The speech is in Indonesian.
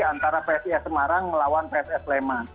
antara psi s semarang melawan pss lema